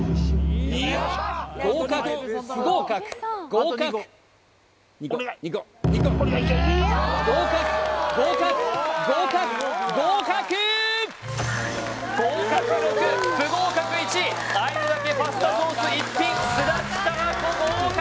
合格不合格合格合格合格合格合格あえるだけパスタソース逸品すだちたらこ合格！